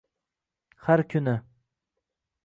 Har kuni